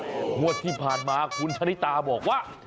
งวดที่ผ่านมาคุณชะนิตาบอกว่า